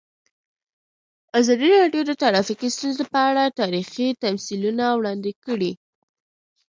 ازادي راډیو د ټرافیکي ستونزې په اړه تاریخي تمثیلونه وړاندې کړي.